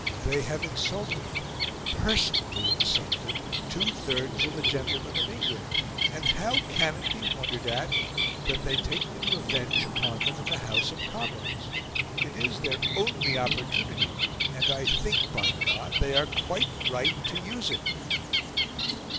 They have insulted PERSONALLY insulted two thirds of the gentlemen of England, and how can it be wondered at that they take their revenge upon them in the House of Commons? It is their only opportunity, and I think, by God! they are quite right to use it."